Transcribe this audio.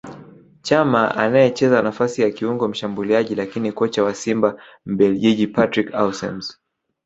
Chama anayecheza nafasi ya kiungo mshambuliaji lakini Kocha wa Simba Mbelgiji Patrick Aussems